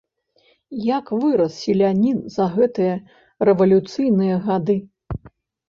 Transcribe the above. Як вырас селянін за гэтыя рэвалюцыйныя гады!